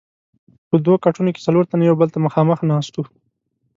په دوو کټونو کې څلور تنه یو بل ته مخامخ ناست وو.